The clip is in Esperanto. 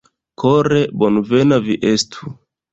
Kore bonvena vi estu!